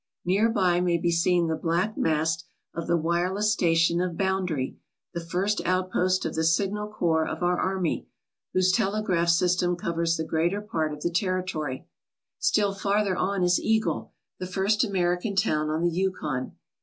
Near by may be seen the black mast of the wireless station of Boundary, the first outpost of the Signal Corps of our army, whose telegraph system covers the greater part of the territory. Still farther on is Eagle, the first American town on the Yukon.